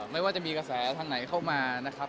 ไม่ว่าจะมีกระแสทางไหนเข้ามานะครับ